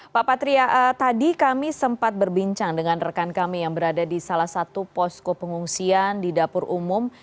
pak patria tadi kami sempat berbincang dengan rekan kami yang berada di salah satu posko pengungsian di dapur umum